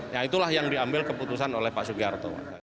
ya itulah yang diambil keputusan oleh pak sugiharto